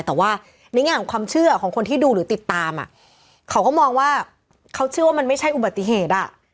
แต่ว่าในแง่ของความเชื่อของคนที่ดูหรือติดตามเขาก็มองว่าเขาเชื่อว่ามันไม่ใช่อุบัติเหตุ